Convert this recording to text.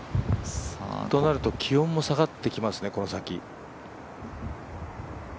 となると、気温も下がってきますね、この先。